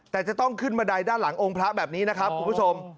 แต่จะต้องขึ้นบันไดด้านหลังองค์พระแบบนี้นะครับคุณผู้ชม